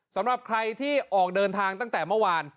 สำหรับใครที่ออกเดินทางตั้งแต่เมื่อวาน